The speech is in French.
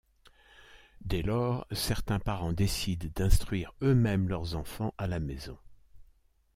Dès lors, certains parents décident d'instruire eux-mêmes leurs enfants à la maison.